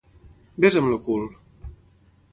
Besa'm el cul!